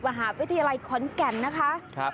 มหาวิทยาลัยขอนแก่นนะคะ